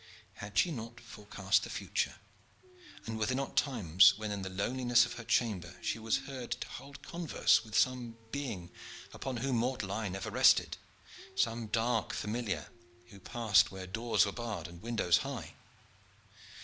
Had she not forecast the future, and were there not times when in the loneliness of her chamber she was heard to hold converse with some being upon whom mortal eye never rested some dark familiar who passed where doors were barred and windows high?